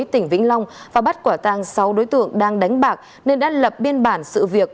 tỉnh vĩnh long và bắt quả tang sáu đối tượng đang đánh bạc nên đã lập biên bản sự việc